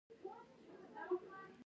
خبرې يې پر دې وې چې په ښار کې پاتې شي.